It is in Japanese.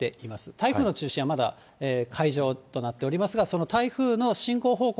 台風の中心はまだ海上となっておりますが、その台風の進行方向